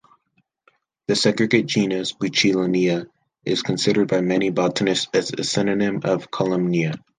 The segregate genus "Bucinellina" is considered by many botanists a synonym of "Columnea".